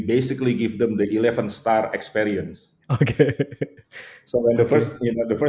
jadi ketika pertama kali mereka datang ke kami